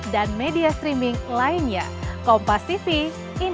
dan sekarang kita melihat balgard di sini